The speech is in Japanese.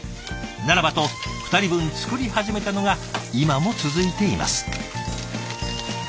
ならばと２人分作り始めたのが今も続いています。